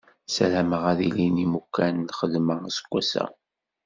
Ssarameɣ ad ilin yimukan n lxedma aseggas-a.